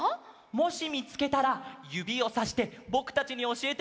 もしみつけたらゆびをさしてぼくたちにおしえてくれるかな？